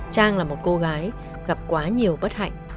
trang là một cô gái gặp quá nhiều bất hạnh